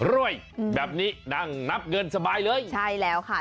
รวยแบบนี้นั่งนับเงินสบายเลยใช่แล้วค่ะ